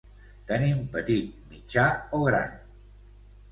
Tenim petit, mitjà o gran.